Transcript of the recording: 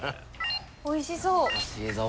おいしそう！